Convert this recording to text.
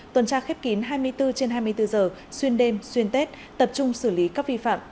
tuần tra khép kín hai mươi bốn trên hai mươi bốn giờ xuyên đêm xuyên tết tập trung xử lý các vi phạm